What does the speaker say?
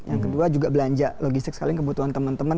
yang kedua juga belanja logistik sekali kebutuhan teman teman